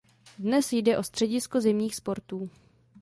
Dnes jde o středisko zimních sportů.